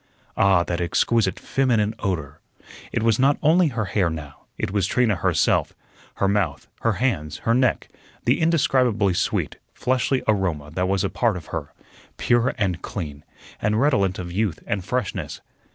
Ah, that exquisite feminine odor! It was not only her hair now, it was Trina herself her mouth, her hands, her neck; the indescribably sweet, fleshly aroma that was a part of her, pure and clean, and redolent of youth and freshness.